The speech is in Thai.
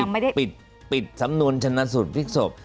มันก็ปิดสำนวนชนะสุดพิกษพ